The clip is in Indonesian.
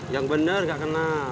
yang bener kakak kenal